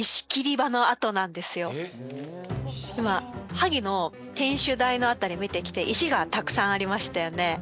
萩の天守台の辺り見てきて石がたくさんありましたよね。